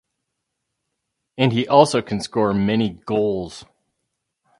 And he also can score many goals.